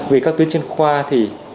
vì các tuyến chuyên khoa thì